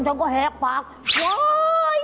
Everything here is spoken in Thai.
ฉันก็แหกปากว้าวเฮี่ย